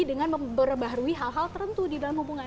dengan memperbarui hal hal tertentu di dalam hubungan